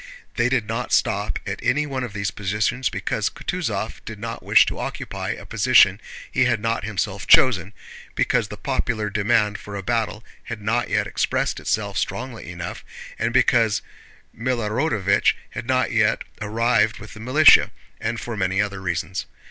They did not stop at any one of these positions because Kutúzov did not wish to occupy a position he had not himself chosen, because the popular demand for a battle had not yet expressed itself strongly enough, and because Milorádovich had not yet arrived with the militia, and for many other reasons.